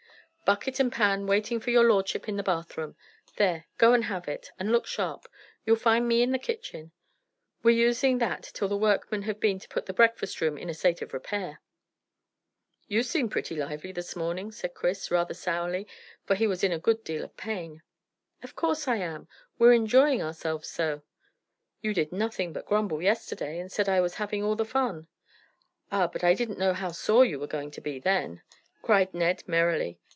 "Bucket and pan waiting for your lordship in the bathroom. There, go and have it; and look sharp. You'll find me in the kitchen. We're using that till the workmen have been to put the breakfast room in a state of repair." "You seem pretty lively this morning," said Chris, rather sourly, for he was in a good deal of pain. "Of course I am. We're enjoying ourselves so." "You did nothing but grumble yesterday, and said I was having all the fun." "Ah, but I didn't know how sore you were going to be then," cried Ned merrily.